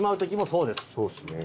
そうですね。